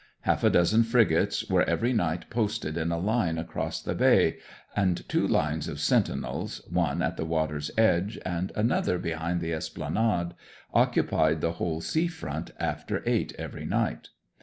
Half a dozen frigates were every night posted in a line across the bay, and two lines of sentinels, one at the water's edge and another behind the Esplanade, occupied the whole sea front after eight every night.